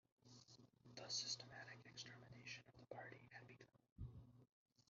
The systematic extermination of the party had begun.